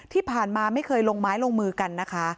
ที่ผ่านมาไม่เคยลงไม้ลงมือกันนะคะ